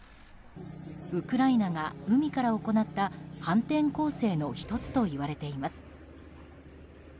ウクライナが海から行った反転攻勢の１つといわれています。